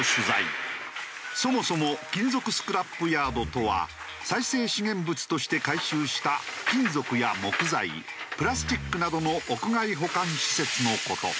そもそも金属スクラップヤードとは再生資源物として回収した金属や木材プラスチックなどの屋外保管施設の事。